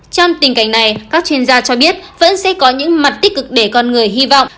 trong tình cảnh này các chuyên gia cho biết vẫn sẽ có những mặt tích cực để con người hy vọng